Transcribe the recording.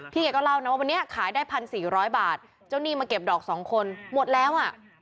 แกก็เล่านะว่าวันนี้ขายได้๑๔๐๐บาทเจ้าหนี้มาเก็บดอกสองคนหมดแล้วอ่ะ